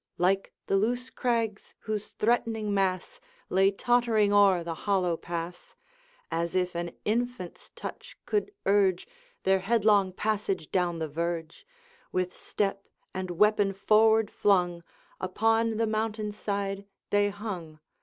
Like the loose crags whose threatening mass Lay tottering o'er the hollow pass, As if an infant's touch could urge Their headlong passage down the verge, With step and weapon forward flung, Upon the mountain side they hung.